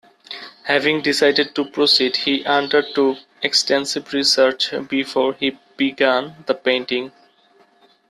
Having decided to proceed, he undertook extensive research before he began the painting.